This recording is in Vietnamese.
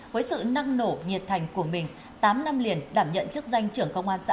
với sự năng nổ nhiệt thành của mình tám năm liền đảm nhận chức danh trưởng công an tỉnh an giang